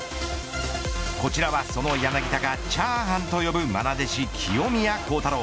こちらは柳田がチャーハンと呼ぶまな弟子、清宮幸太郎。